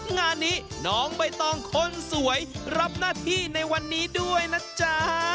งานนี้น้องใบตองคนสวยรับหน้าที่ในวันนี้ด้วยนะจ๊ะ